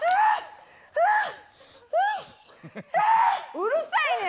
うるさいねん！